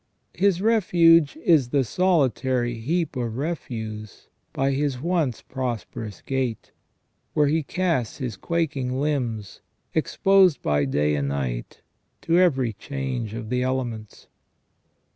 His refuge is the solitary heap of refuse by his once prosperous gate, where he casts his quaking limbs, exposed by day and night to every change of the elements.